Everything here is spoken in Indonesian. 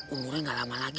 umurnya gak lama lagi